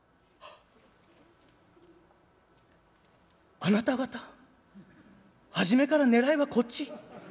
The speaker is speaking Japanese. あなた方初めからねらいはこっち？